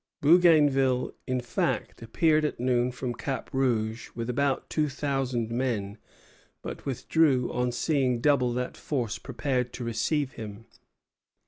Bougainville, in fact, appeared at noon from Cap Rouge with about two thousand men; but withdrew on seeing double that force prepared to receive him.